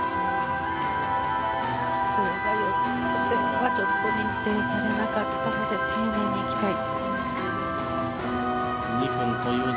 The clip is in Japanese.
予選ではちょっと認定されなかったので丁寧に行きたい。